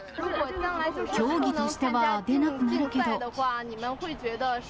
競技としては出なくなるけど？